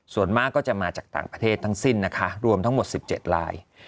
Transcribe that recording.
ส่วนมากก็จะมาจากต่างประเทศทั้งสิ้นนะคะรวมทั้งหมด๑๗ลาย